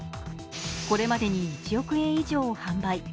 これまでに１億円以上を販売。